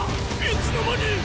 いつの間にっ⁉